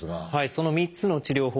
その３つの治療法